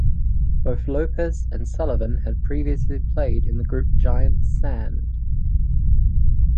Both Lopez and Sullivan had previously played in the group Giant Sand.